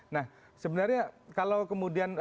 nah sebenarnya kalau kemudian